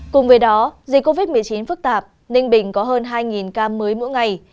cùng với đó dịch covid một mươi chín phức tạp ninh bình có hơn hai ca mới mỗi ngày